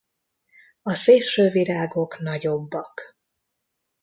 A szélső virágok nagyobbak.